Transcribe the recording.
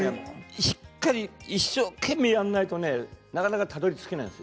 一生懸命やらないとなかなか私はたどりつけないんです。